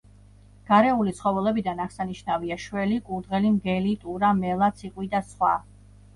გარეული ცხოველებიდან აღსანიშნავია: შველი, კურდღელი, მგელი, ტურა, მელა, ციყვი და სხვა.